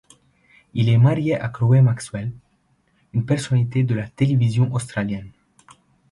Il est marié à Chloe Maxwell, une personnalité de la télévision australienne.